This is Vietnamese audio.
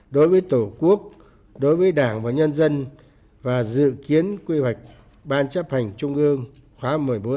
đối với tổ quốc đối với đảng và nhân dân và dự kiến quy hoạch ban chấp hành trung ương khóa một mươi bốn